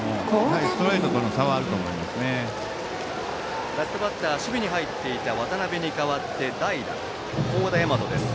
ラストバッター守備に入っていた渡邊に代わって代打、幸田大和です。